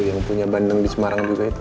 yang punya bandeng di semarang juga itu